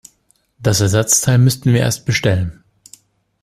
Das Ersatzteil müssten wir erst bestellen.